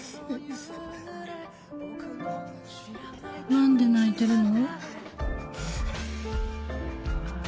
何で泣いてるの？